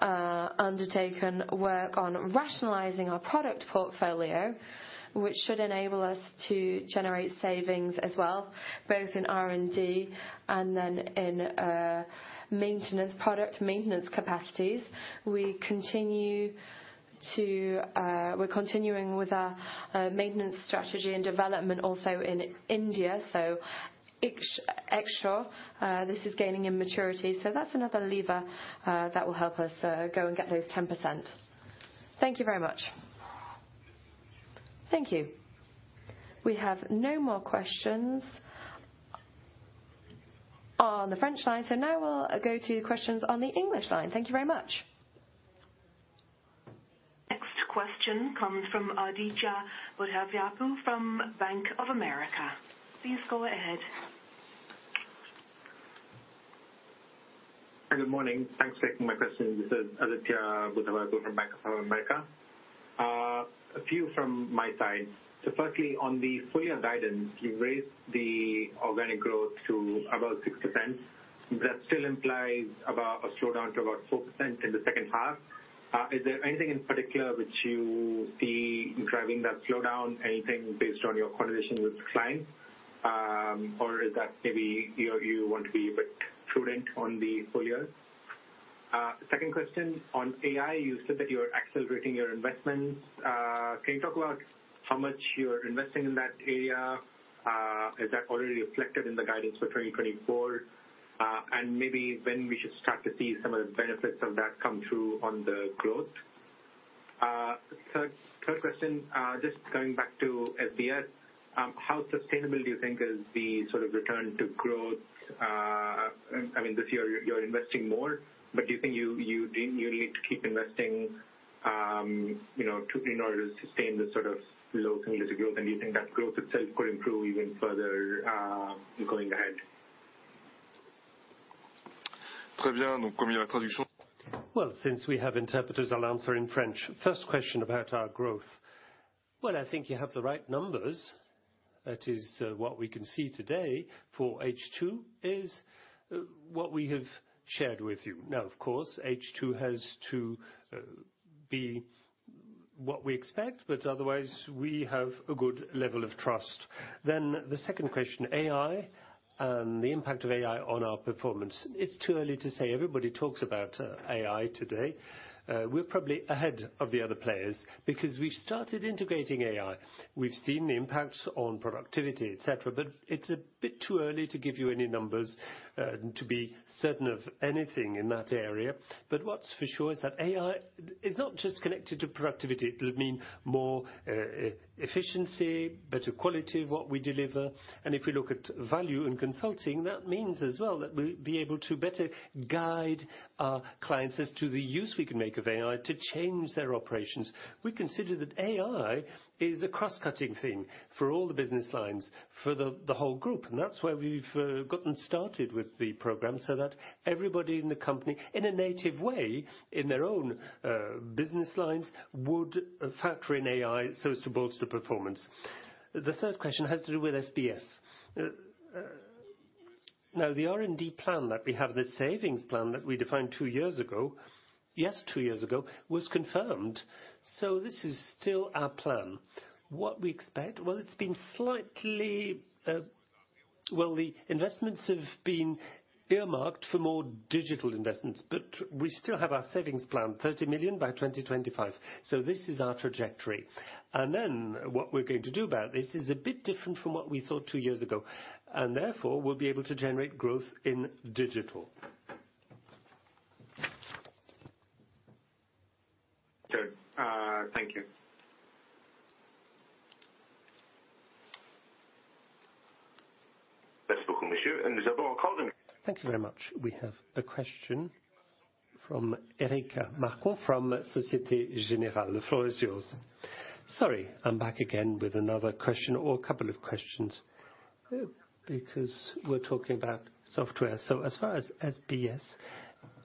undertaken work on rationalizing our product portfolio, which should enable us to generate savings as well, both in R&D and then in maintenance, product maintenance capacities. We're continuing with our maintenance strategy and development also in India. Axway, this is gaining in maturity, so that's another lever that will help us go and get those 10%. Thank you very much. Thank you. We have no more questions on the French line. Now we'll go to questions on the English line. Thank you very much. Next question comes from Aditya Buddhavarapu from Bank of America. Please go ahead. Good morning. Thanks for taking my question. This is Aditya Buddhavarapu from Bank of America. A few from my side. Firstly, on the full year guidance, you raised the organic growth to about 6%. That still implies about a slowdown to about 4% in the second half. Is there anything in particular which you see driving that slowdown? Anything based on your conversation with the client, or is that maybe, you know, you want to be a bit prudent on the full year? Second question on AI, you said that you are accelerating your investments. Can you talk about how much you're investing in that area? Is that already reflected in the guidance for 2024? When we should start to see some of the benefits of that come through on the growth? Third question, just going back to SBS. How sustainable do you think is the sort of return to growth? I mean, this year you're investing more, but do you think you need to keep investing, you know, in order to sustain this sort of low single digit growth? Do you think that growth itself could improve even further, going ahead? Well, since we have interpreters, I'll answer in French. First question about our growth. Well, I think you have the right numbers. That is what we can see today for H2 is what we have shared with you. Now, of course, H2 has to be what we expect, but otherwise we have a good level of trust. The second question, AI, and the impact of AI on our performance. It's too early to say. Everybody talks about AI today. We're probably ahead of the other players because we've started integrating AI. We've seen the impacts on productivity, et cetera, but it's a bit too early to give you any numbers to be certain of anything in that area. What's for sure is that AI is not just connected to productivity. It'll mean more efficiency, better quality of what we deliver. If we look at value in consulting, that means as well that we'll be able to better guide our clients as to the use we can make of AI to change their operations. We consider that AI is a cross-cutting thing for all the business lines, for the whole group, and that's why we've gotten started with the program, so that everybody in the company, in a native way, in their own business lines, would factor in AI so as to bolster performance. The third question has to do with SBS. Now, the R&D plan that we have, the savings plan that we defined 2 years ago, yes, 2 years ago, was confirmed. This is still our plan. What we expect? Well, it's been slightly... The investments have been earmarked for more digital investments, but we still have our savings plan, 30 million by 2025. This is our trajectory. What we're going to do about this is a bit different from what we thought two years ago, and therefore we'll be able to generate growth in digital. Good. Thank you. Thank you very much. We have a question from.. The floor is yours. Sorry, I'm back again with another question or a couple of questions because we're talking about software. As far as SBS,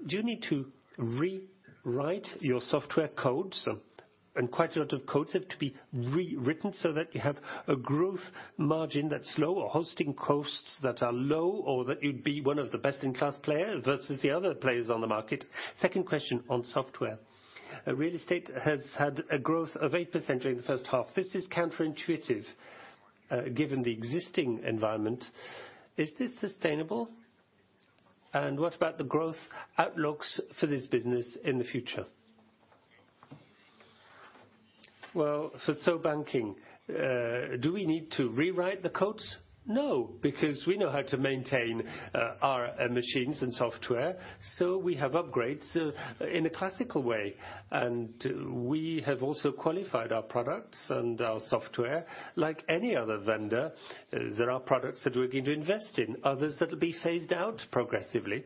do you need to rewrite your software codes? Quite a lot of codes have to be rewritten so that you have a growth margin that's low or hosting costs that are low, or that you'd be one of the best-in-class player versus the other players on the market. Second question on software. Real estate has had a growth of 8% during the first half. This is counterintuitive, given the existing environment. Is this sustainable? What about the growth outlooks for this business in the future? Well, for Sopra Banking, do we need to rewrite the codes? Because we know how to maintain our machines and software, we have upgrades in a classical way. We have also qualified our products and our software. Like any other vendor, there are products that we're going to invest in, others that will be phased out progressively.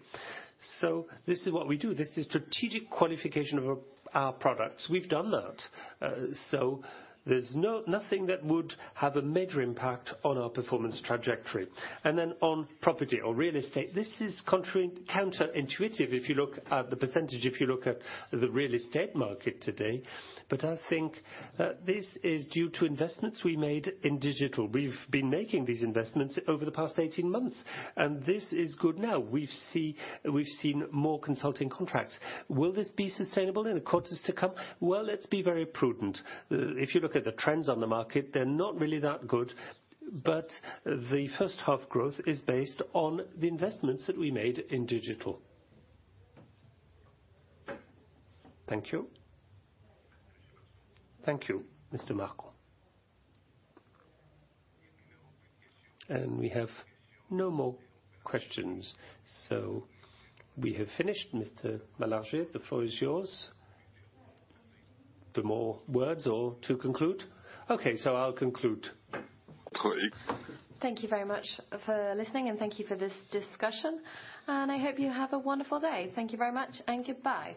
This is what we do. This is strategic qualification of our products. We've done that. There's nothing that would have a major impact on our performance trajectory. On property or real estate, this is counterintuitive if you look at the percentage, if you look at the real estate market today. I think this is due to investments we made in digital. We've been making these investments over the past 18 months, this is good now. We've seen more consulting contracts. Will this be sustainable in the quarters to come? Well, let's be very prudent. If you look at the trends on the market, they're not really that good, but the first half growth is based on the investments that we made in digital. Thank you. Thank you, Mr. Marco. We have no more questions, so we have finished. Mr. Mallard, the floor is yours. The more words or to conclude? I'll conclude. Thank you very much for listening, and thank you for this discussion, and I hope you have a wonderful day. Thank you very much, and goodbye.